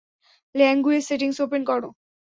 Language settings open করো।